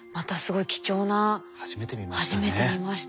初めて見ましたね。